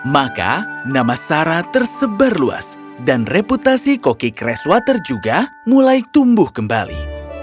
maka nama sarah tersebar luas dan reputasi koki crass water juga mulai tumbuh kembali